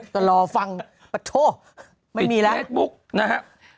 แต่รอฟังโถ่ไม่มีแล้วปิดเฟซบุ๊กนะครับ